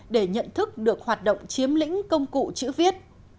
để nhận thức được hoạt động chiếm lĩnh công cụ chữ viết